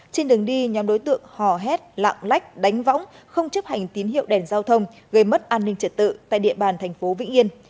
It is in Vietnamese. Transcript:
trên đường đi nhóm đối tượng hò hét lạng lách đánh võng không chấp hành tín hiệu đèn giao thông gây mất an ninh trật tự tại địa bàn thành phố vĩnh yên